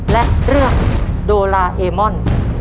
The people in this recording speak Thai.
และเรื่องโดลาเอมอน